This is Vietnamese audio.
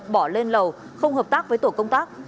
bỏ lên lầu không hợp tác với tổ công tác